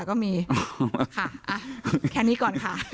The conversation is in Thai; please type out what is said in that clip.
แค่นี้ก่อนค่ะ